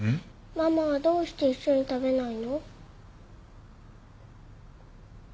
ママはどうして一緒に食べないの？